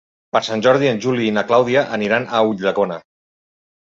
Per Sant Jordi en Juli i na Clàudia aniran a Ulldecona.